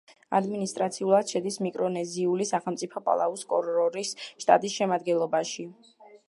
ადმინისტრაციულად შედის მიკრონეზიული სახელმწიფო პალაუს კორორის შტატის შემადგენლობაში.